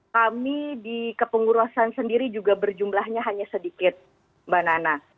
kami di kepengurusan sendiri juga berjumlahnya hanya sedikit mbak nana